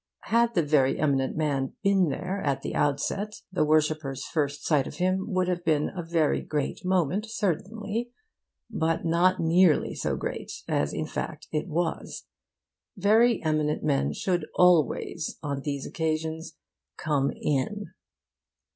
Had the very eminent man been there at the outset, the worshipper's first sight of him would have been a very great moment, certainly; but not nearly so great as in fact it was. Very eminent men should always, on these occasions, come in.